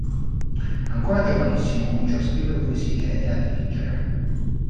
Ancora giovanissimo cominciò a scrivere poesie e a dipingere.